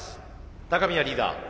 高宮リーダー